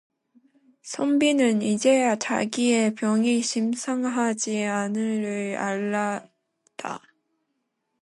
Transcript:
선비는 이제야 자기의 병이 심상하지 않음을 알았다.